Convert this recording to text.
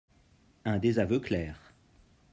Un désaveu clair